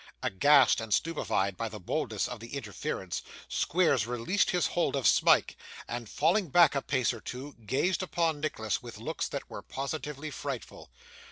Aghast and stupefied by the boldness of the interference, Squeers released his hold of Smike, and, falling back a pace or two, gazed upon Nicholas with looks that were positively frightful.